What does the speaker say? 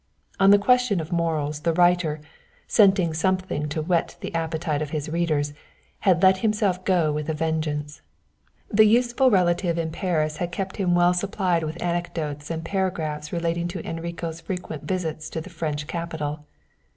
On the question of morals the writer, scenting something to whet the appetite of his readers, had let himself go with a vengeance. The useful relative in Paris had kept him well supplied with anecdotes and paragraphs relating to Enrico's frequent visits to the French capital.